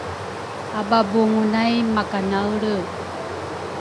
Ababungu nay makanaelre